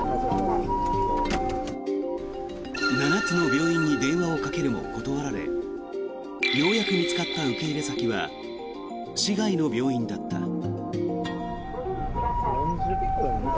７つの病院に電話をかけるも断られようやく見つかった受け入れ先は市外の病院だった。